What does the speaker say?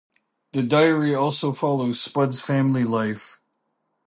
The diary also follows Spud's family life.